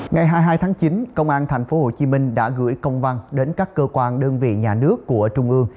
ngày hai mươi hai tháng chín công an tp hcm đã gửi công văn đến các cơ quan đơn vị nhà nước của trung ương